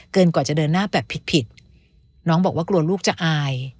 กว่าจะเดินหน้าแบบผิดผิดน้องบอกว่ากลัวลูกจะอาย